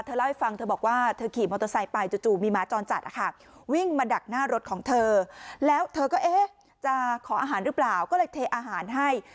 เล่าให้ฟังเธอบอกว่าเธอขี่มอเตอร์ไซค์ไปจู่มีหมาจรจัดวิ่งมาดักหน้ารถของเธอแล้วเธอก็เอ๊ะจะขออาหารหรือเปล่าก็เลยเทอาหารให้